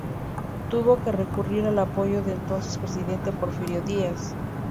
Tuvo que recurrir al apoyo del entonces presidente Porfirio Díaz.